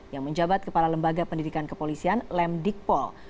yang menjabat kepala lembaga pendidikan kepolisian lemdikpol